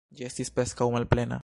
Ĝi estis preskaŭ malplena.